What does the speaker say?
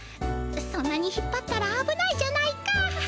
そんなに引っぱったらあぶないじゃないか。